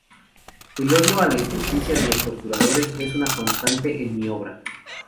El odio a la injusticia de los torturadores es una constante en mi obra".